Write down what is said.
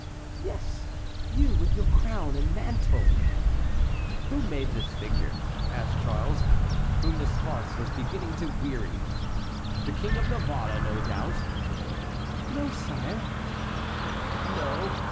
"Yes, you, with your crown and mantle?" "Who made this figure?" asked Charles, whom this farce was beginning to weary; "the King of Navarre, no doubt?" "No, sire." "No?